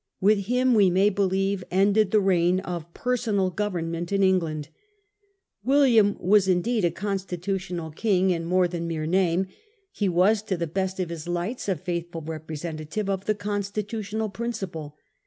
With him, we may believe, ended the reign of personal government in England . William was indeed a constitutional king in more YOU i. B t A HISTORY OF OUR OWN TIMES. oh. r. than mere name. He was to the best of his lights a faithful representative of the constitutional principle.